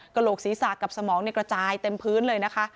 โหลกศีรษะกับสมองในกระจายเต็มพื้นเลยนะคะ